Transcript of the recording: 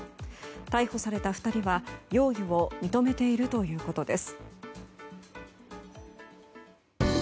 逮捕された２人は、容疑を認めているということです。